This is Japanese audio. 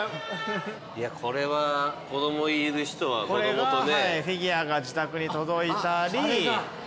いやこれは子供いる人は子供とね。